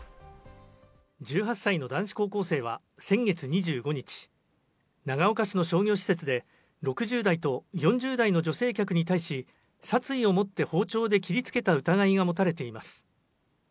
１８歳の男子高校生は先月２５日、長岡市の商業施設で６０代と４０代の女性客に対し、殺意を持って包丁で切りつけた疑いが持たれています。